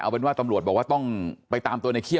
แล้วก็ยัดลงถังสีฟ้าขนาด๒๐๐ลิตร